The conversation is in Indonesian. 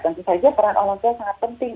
tentu saja peran allah itu sangat penting